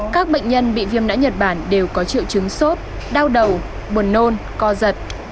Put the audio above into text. các bệnh nhân bị viêm não nhật bản đều có triệu chứng sốt đau đầu buồn nôn co giật